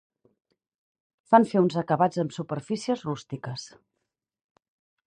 Fan fer uns acabats amb superfícies rústiques.